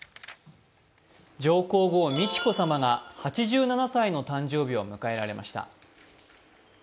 上皇后美智子さまが８７歳の誕生日を迎えられました。